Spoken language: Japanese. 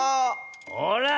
ほら。